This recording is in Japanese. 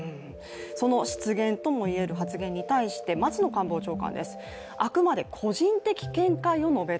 その失言ともいえる発言に対して松野官房長官です。